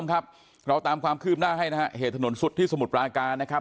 ครับเราตามความคืบหน้าให้นะฮะเหตุถนนสุดที่สมุทรปราการนะครับ